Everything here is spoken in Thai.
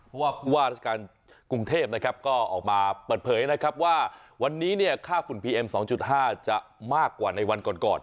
เพราะว่าผู้ว่าราชการกรุงเทพนะครับก็ออกมาเปิดเผยนะครับว่าวันนี้เนี่ยค่าฝุ่นพีเอ็ม๒๕จะมากกว่าในวันก่อน